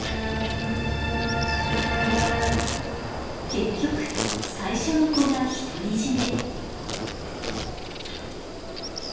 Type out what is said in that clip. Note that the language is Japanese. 結局最初の子が独り占め。